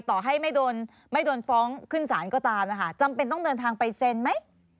ต่อให้ไม่โดนไม่โดนฟ้องขึ้นศาลก็ตามนะคะจำเป็นต้องเดินทางไปเซ็นไหม